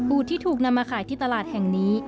ที่ถูกนำมาขายที่ตลาดแห่งนี้